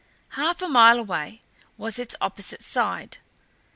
Half a mile away was its opposite side.